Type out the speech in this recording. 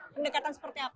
pendekatan seperti apa